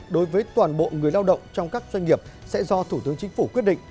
đối với toàn bộ người lao động trong các doanh nghiệp sẽ do thủ tướng chính phủ quyết định